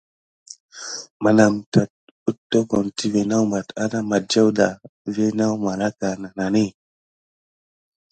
Menam tat éttokon tivé nawbate ana madiaw da vi naw malaka nənani.